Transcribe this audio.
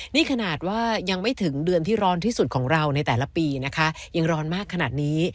นี่ขนาดว่ายังไม่ถึงเดือนที่ร้อนที่สุดของเราในแต่ละปีนะคะยังร้อนมากขนาดนี้